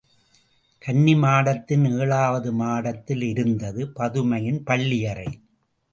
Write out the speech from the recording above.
கன்னிமாடத்தின் ஏழாவது மாடத்தில் இருந்தது பதுமையின் பள்ளியறை.